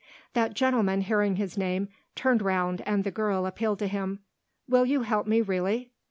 That gentleman, hearing his name, turned round and the girl appealed to him. "Will you help me really?"